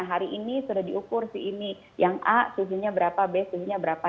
hari ini sudah diukur si ini yang a suhunya berapa b suhunya berapa